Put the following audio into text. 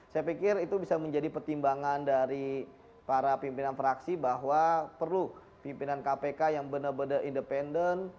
saya pikir itu bisa menjadi pertimbangan dari para pimpinan fraksi bahwa perlu pimpinan kpk yang benar benar independen